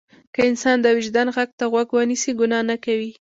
که انسان د وجدان غږ ته غوږ ونیسي ګناه نه کوي.